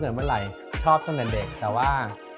เมื่อไหร่ชอบตั้งแต่เด็กแต่ว่า